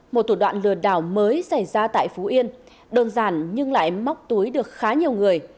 một thủ đoạn lừa đảo mới xảy ra tại phú yên đơn giản nhưng lại móc túi được khá nhiều người